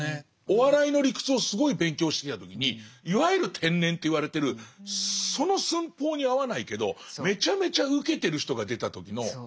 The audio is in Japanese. お笑いの理屈をすごい勉強してた時にいわゆる天然と言われてるその寸法に合わないけどめちゃめちゃウケてる人が出た時の恐怖とか。